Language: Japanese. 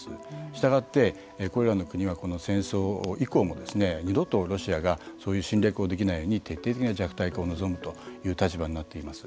したがって、これらの国はこの戦争以降も二度とロシアがそういう侵略をできないように徹底的な弱体化を望むという立場になっています。